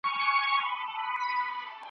چي ویل به مي سبا درڅخه ځمه .